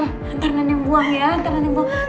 nanti nanti buang ya nanti nanti buang